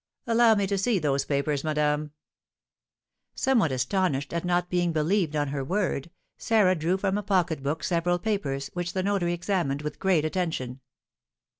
"Allow me to see those papers, madame." Somewhat astonished at not being believed on her word, Sarah drew from a pocket book several papers, which the notary examined with great attention.